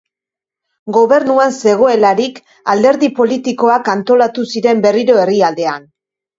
Gobernuan zegoelarik, alderdi politikoak antolatu ziren berriro herrialdean.